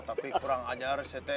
tapi kurang ajar siteh